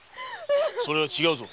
それは違うぞ。